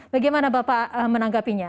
bagaimana bapak menanggapinya